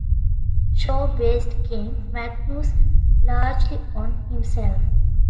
Shaw based King Magnus largely on himself.